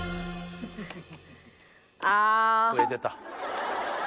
増えてた。